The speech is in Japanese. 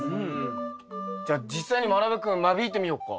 じゃあ実際にまなぶ君間引いてみようか。